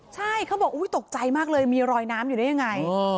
ใช่เขาบอกตกใจมากเลยมีรอยน้ำอยู่ได้ยังไง